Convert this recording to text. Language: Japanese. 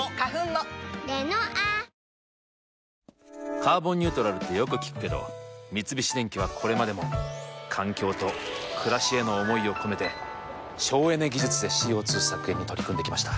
「カーボンニュートラル」ってよく聞くけど三菱電機はこれまでも環境と暮らしへの思いを込めて省エネ技術でＣＯ２削減に取り組んできました。